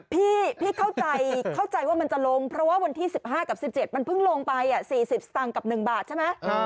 พี่เข้าใจเข้าใจว่ามันจะลงเพราะว่าวันที่๑๕กับ๑๗มันเพิ่งลงไป๔๐สตางค์กับ๑บาทใช่ไหม